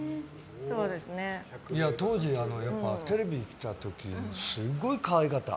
当時、テレビに来た時すごい可愛かった。